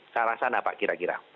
saya rasa nah pak kira kira